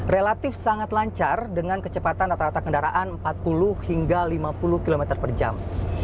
relatif sangat lancar dengan kecepatan rata rata kendaraan empat puluh hingga lima puluh km per jam